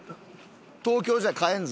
東京じゃ買えんぞ。